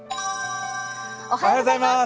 おはようございます。